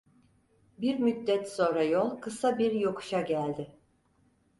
Bir müddet sonra yol kısa bir yokuşa geldi.